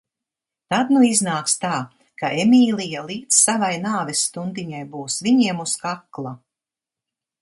Tad nu iznāks tā, ka Emīlija līdz savai nāves stundiņai būs viņiem uz kakla.